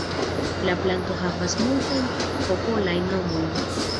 La planto havas multajn popolajn nomojn.